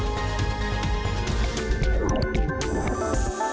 สวัสดีค่ะ